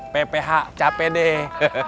pph capek deh